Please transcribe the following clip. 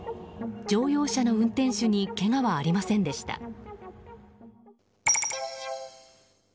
乗用車の運転手にけがはありませんでした。